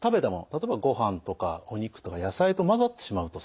例えばごはんとかお肉とか野菜と混ざってしまうと